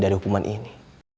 dari hukuman ini